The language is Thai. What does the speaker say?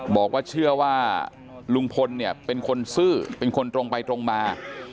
บอกว่าเชื่อว่าลุงพลเนี่ยเป็นคนซื่อเป็นคนตรงไปตรงมา